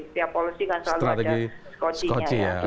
setiap polisi kan selalu ada skocie nya ya